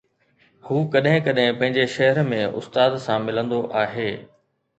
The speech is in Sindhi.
هو ڪڏهن ڪڏهن پنهنجي شهر ۾ استاد سان ملندو آهي.